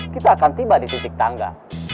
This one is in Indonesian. kita akan tiba di titik tangga